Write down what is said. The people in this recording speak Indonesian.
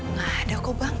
tidak ada bang